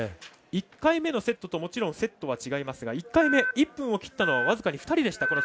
１回目のセットともちろんセットは違いますが１回目、１分を切ったのは僅かに２人でした。